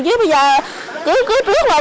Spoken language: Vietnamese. chứ bây giờ cứ trước làm được sao lồn được